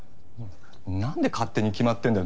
なんで勝手に決まってんだよ。